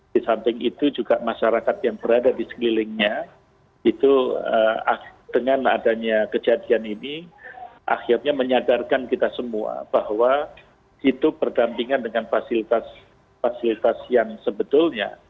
di samping itu juga masyarakat yang berada di sekelilingnya itu dengan adanya kejadian ini akhirnya menyadarkan kita semua bahwa itu berdampingan dengan fasilitas fasilitas yang sebetulnya